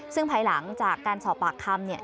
ซึ่งภายหลังจากการสอบปากคำเนี่ย